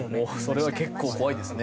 それは結構怖いですね。